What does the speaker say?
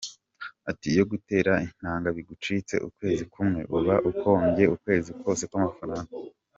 Ati “Iyo gutera intanga bigucitse ukwezi kumwe, uba uhombye ukwezi kose kw’amafaranga.